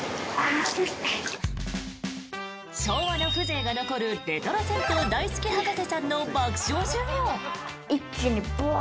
昭和の風情が残るレトロ銭湯大好き博士ちゃんの爆笑授業。